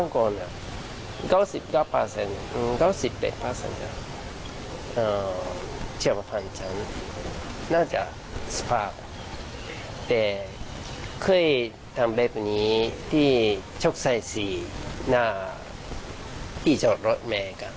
คุณบาม